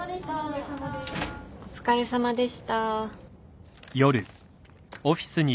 お疲れさまでした。